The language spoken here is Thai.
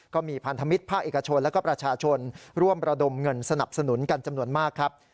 ก็มีพันธมิตรภาคเอกชนและก็ประชาชนร่วมระดมเงินสนับสนุนกันจำนวนมากครับ